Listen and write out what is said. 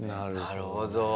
なるほど。